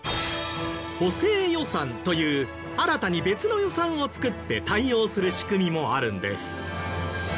補正予算という新たに別の予算を作って対応する仕組みもあるんです。